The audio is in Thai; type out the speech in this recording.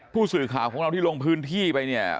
ผู้สื่อข่าวของเราที่ลงพื้นที่ไปเนี่ย